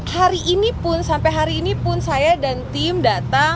hari ini pun sampai hari ini pun saya dan tim datang